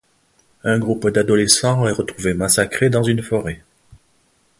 Un groupe d'adolescents est retrouvé massacré dans une forêt.